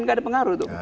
nggak ada pengaruh tuh